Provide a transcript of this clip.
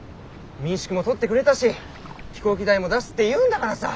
民宿も取ってくれたし飛行機代も出すって言うんだからさ。